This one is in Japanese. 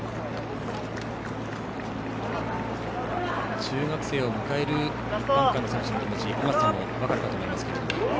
中学生を迎えるアンカーの選手の気持ち尾方さんも分かるかと思いますけども。